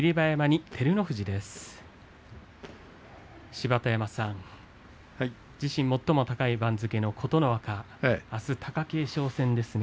芝田山さん、自身最も高い番付の琴ノ若あす、貴景勝戦ですね。